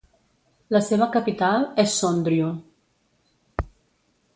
La seva capital és Sondrio.